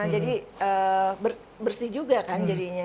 jadi bersih juga kan jadinya